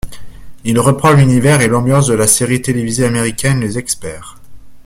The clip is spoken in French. Il reprend l'univers et l'ambiance de la série télévisée américaine Les Experts.